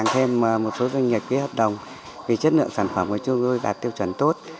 thêm một số doanh nghiệp ký hợp đồng vì chất lượng sản phẩm của chúng tôi đạt tiêu chuẩn tốt